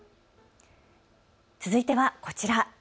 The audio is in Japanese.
続いてはこちら。